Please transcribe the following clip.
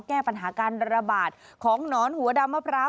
แก้ปัญหาการระบาดของหนอนหัวดำมะพร้าว